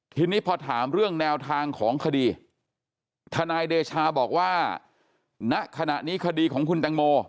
ทีนี้พอถามเรื่องแนวทางของคดีทนายเดชาบอกว่าณขณะนี้คดีของคุณแตงโม